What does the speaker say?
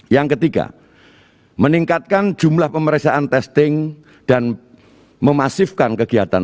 yang ketiga meningkatkan jumlah pemeriksaan testing dan memasifkan kegiatan